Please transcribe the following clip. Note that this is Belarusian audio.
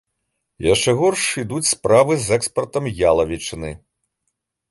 Яшчэ горш ідуць справы з экспартам ялавічыны.